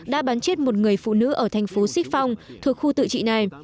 đã bắn chết một người phụ nữ ở thành phố sip phong thuộc khu tự trị này